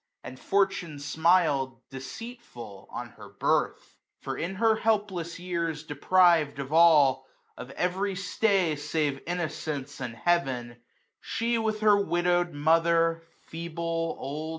And fortune smil'd, deceitful,, on her birth ; For, in her helpless years deprived of all. Of every stay, save Innocence and Heavek^ iSo She, with her widoW'd mother, feeble, old.